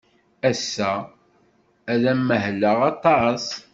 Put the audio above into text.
Ass-a, ad mahleɣ aṭas.